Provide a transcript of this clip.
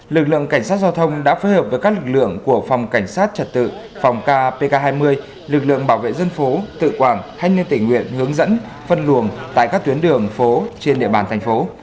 lực lượng cảnh sát giao thông đã phối hợp với các lực lượng của phòng cảnh sát trật tự phòng ca pk hai mươi lực lượng bảo vệ dân phố tự quảng hay nên tỉnh huyện hướng dẫn phân luồng tại các tuyến đường phố trên địa bàn thành phố